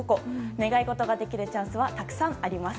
願い事ができるチャンスはたくさんあります。